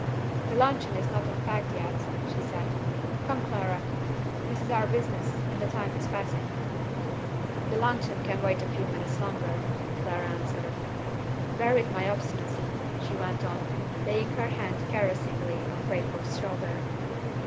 "The luncheon is not unpacked yet," she said. "Come, Clara! this is our business, and the time is passing." "The luncheon can wait a few minutes longer," Clara answered. "Bear with my obstinacy," she went on, laying her hand caressingly on Crayford's shoulder.